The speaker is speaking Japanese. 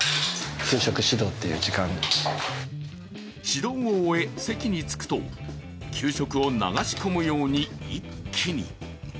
指導を終え、席に着くと、給食を流し込むように一気に。